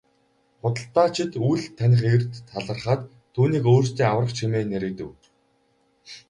Худалдаачид үл таних эрд талархаад түүнийг өөрсдийн аврагч хэмээн нэрийдэв.